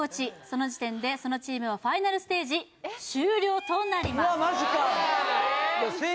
その時点でそのチームはファイナルステージ終了となりますうわ